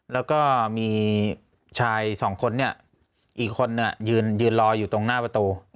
แล้วก็มีชายสองคนเนี่ยอีกคนยืนรออยู่ตรงหน้าประตู